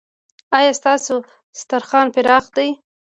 ایا ستاسو دسترخوان پراخ دی؟